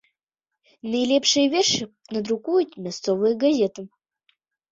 Найлепшыя вершы надрукуюць мясцовыя газеты.